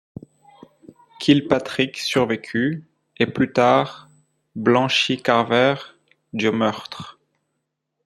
Kilpatrick survécu, et plus tard blanchit Carver du meurtre.